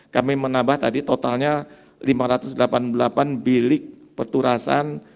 kami menambah tadi totalnya lima ratus delapan puluh delapan bilik perturasan